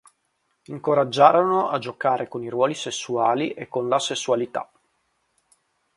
Incoraggiarono a giocare con i ruoli sessuali e con la sessualità.